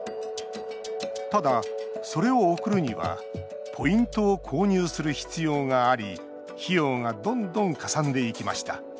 ただ、それを送るにはポイントを購入する必要があり費用がどんどんかさんでいきました。